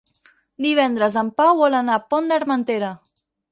Divendres en Pau vol anar al Pont d'Armentera.